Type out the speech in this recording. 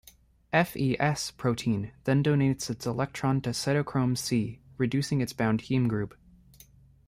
'FeS protein' then donates its electron to Cytochrome c, reducing its bound heme group.